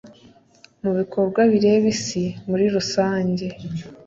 mu bikorwa bireba Isi muri rusange